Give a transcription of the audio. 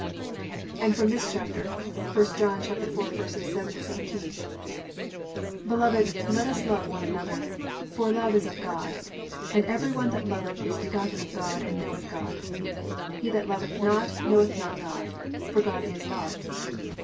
"+ And from this chapter (1 John 4:7 17): +"Beloved, let us love one another: for love is of God; and every one that loveth is begotten of God, and knoweth God. (8) He that loveth not knoweth not God; for God is love.